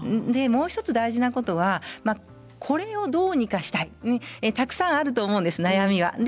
もう１つ、大事なことはこれをどうにかしたいたくさんあると思うんです悩みは。